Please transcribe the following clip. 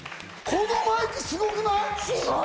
このマイクすごくない？